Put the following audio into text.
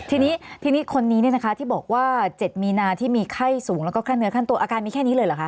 ทีนี้ทีนี้คนนี้ที่บอกว่า๗มีนาที่มีไข้สูงแล้วก็ขั้นเนื้อขั้นตัวอาการมีแค่นี้เลยเหรอคะ